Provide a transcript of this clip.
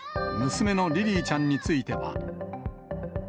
娘のリリィちゃんについては。